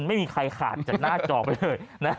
ไม่มีใครขาดจากหน้าจอไปเลย